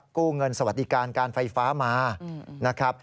กู้เงินสวัสดิการการไฟฟ้ามา